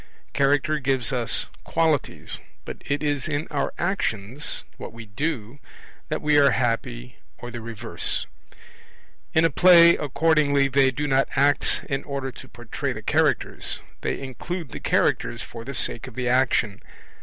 Character gives us qualities, but it is in our actions what we do that we are happy or the reverse. In a play accordingly they do not act in order to portray the Characters; they include the Characters for the sake of the action.